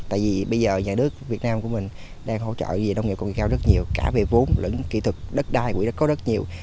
tại vì bây giờ nhà nước việt nam của mình đang hỗ trợ về nông nghiệp công nghệ cao rất nhiều cả về vốn lẫn kỹ thuật đất đai quỹ đất có rất nhiều